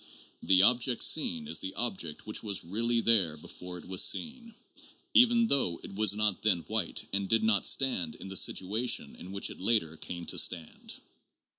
The object seen is the object which was really there before it was seen, even though it was not then white and did not stand in the situation in which it later came to stand.